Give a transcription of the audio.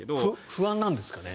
不安なんですかね。